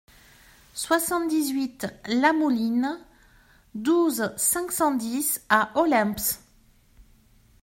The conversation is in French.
soixante-dix-huit la Mouline, douze, cinq cent dix à Olemps